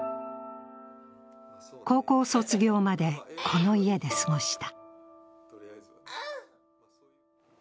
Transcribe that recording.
高校卒業まで、この家で過ごした。